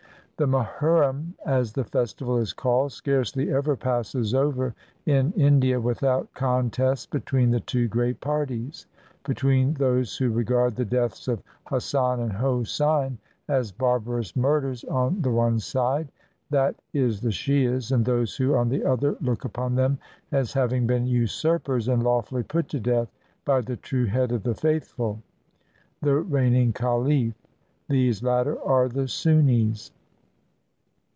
The Mohurrim, as the festival is called, scarcely ever passes over in India without contests between the two great parties — between those who regard the deaths of Hassan and Hosein as barbarous murders on the one side, that is the Shiahs, and those who, on the other, look upon them as having been usurpers, and lawfully put to death by the true head of "the faithful" — the reigning cahf. These latter are the Sunnis.